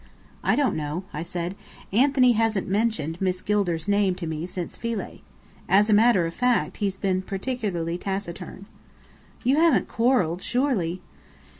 "I don't know," I said. "Anthony hasn't mentioned Miss Gilder's name to me since Philae. As a matter of fact he's been particularly taciturn." "You haven't quarrelled, surely?"